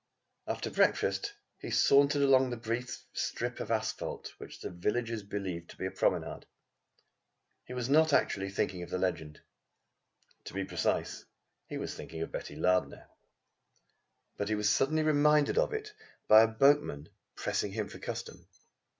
After breakfast he sauntered along the brief strip of asphalt which the villagers believe to be a promenade. He was not actually thinking of the legend; to be precise, he was thinking of Betty Lardner, but he was suddenly reminded of it by a boatman pressing him for his custom.